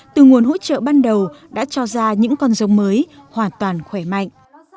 từ nguồn hỗ trợ ban đầu đã cho ra những con giống mới hoàn toàn khỏe mạnh